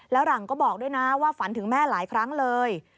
แล้วหลังก็บอกด้วยนะว่าฝันถึงแม่หลายครั้งเลย